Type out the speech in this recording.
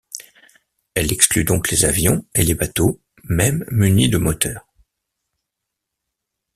Elle exclut donc les avions et les bateaux, mêmes munis de moteurs.